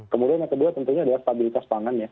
kemudian yang kedua tentunya adalah stabilitas pangannya